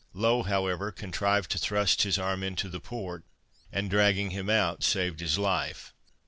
Low, however, contrived to thrust his arm into the port, and dragging him out, saved his life.